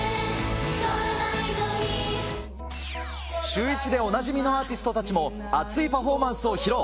シューイチでおなじみのアーティストたちも熱いパフォーマンスを披露。